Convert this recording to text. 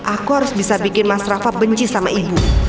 aku harus bisa bikin mas rafa benci sama ibu